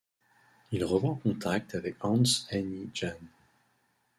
Il reprend contact avec Hans Henny Jahnn.